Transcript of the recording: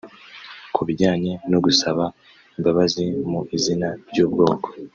Ku bijyanye no gusaba imbabazi mu izina ry’ubwoko